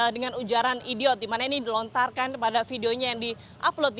dengan ujaran idiot dimana ini dilontarkan pada videonya yang di upload